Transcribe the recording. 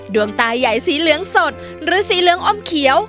ดวงตาใหญ่สีเหลืองสดหรือสีเหลืองอมเขียว